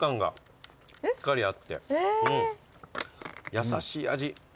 優しい味。